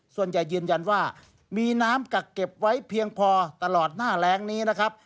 ส่วนใหญ่ยืนยันว่ามีน้ำกักเก็บไว้เพียงพอตลอดหน้าแรงนี้นะครับ